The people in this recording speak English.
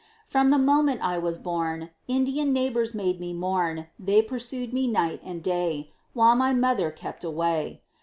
From the moment I was born, Indian neighbors made me mourn. They pursued me night and day, While my mother kept away.